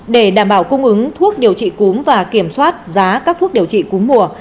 để đảm bảo cung ứng thuốc điều trị cúm và kiểm soát giá các thuốc điều trị cúm mùa